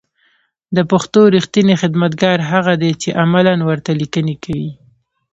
د پښتو رېښتينی خدمتگار هغه دی چې عملاً ورته ليکنې کوي